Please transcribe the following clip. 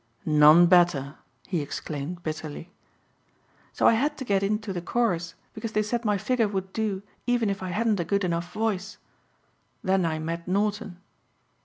"None better," he exclaimed bitterly. "So I had to get in to the chorus because they said my figure would do even if I hadn't a good enough voice. Then I met Norton."